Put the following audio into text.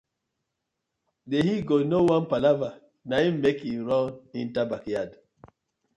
Di he-goat no wan palava na im mek him run enter bakyard.